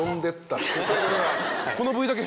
このＶだけ。